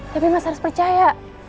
tapi mas harus percaya